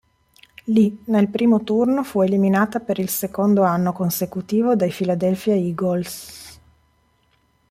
Lì nel primo turno fu eliminata per il secondo anno consecutivo dai Philadelphia Eagles.